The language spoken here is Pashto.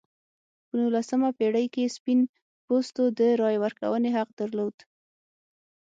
په نولسمې پېړۍ کې سپین پوستو د رایې ورکونې حق درلود.